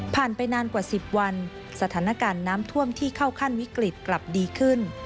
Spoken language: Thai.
ไปนานกว่า๑๐วันสถานการณ์น้ำท่วมที่เข้าขั้นวิกฤตกลับดีขึ้น